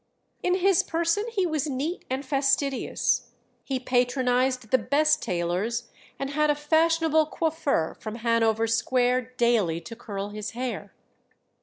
In his person he was neat and fastidious; he patronized the best tailors, and had a fashionable coiffeur from Hanover Square daily to curl his hair.